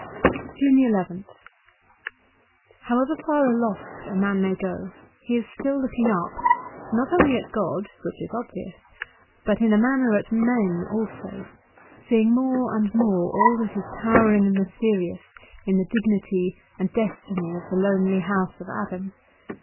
179 N 2 JUNE nth HOWEVER far aloft a man may go he is still looking up, not only at God (which is obvious), but in a manner at men also : seeing more and more all that is towering and mysterious in the dignity and destiny of the lonely house of Adam.